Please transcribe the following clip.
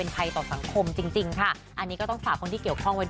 ที่ใบเลขตอนแรกมี๙มี